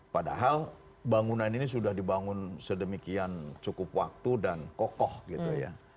padahal bangunan ini sudah dibangun sedemikian cukup waktu dan kokoh gitu ya